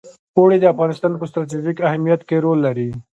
اوړي د افغانستان په ستراتیژیک اهمیت کې رول لري.